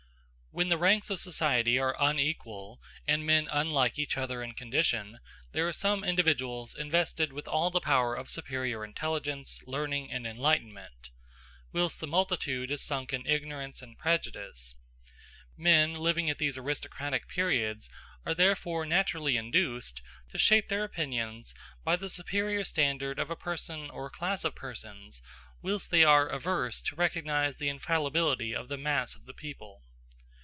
When the ranks of society are unequal, and men unlike each other in condition, there are some individuals invested with all the power of superior intelligence, learning, and enlightenment, whilst the multitude is sunk in ignorance and prejudice. Men living at these aristocratic periods are therefore naturally induced to shape their opinions by the superior standard of a person or a class of persons, whilst they are averse to recognize the infallibility of the mass of the people.